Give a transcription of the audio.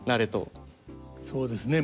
そうですね。